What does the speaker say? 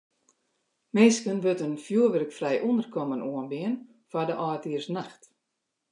Minsken wurdt in fjoerwurkfrij ûnderkommen oanbean foar de âldjiersnacht.